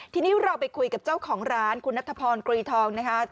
ทีนี้เราไปคุยกับเจ้าของร้านคุณนัทพรกรีทองนะคะ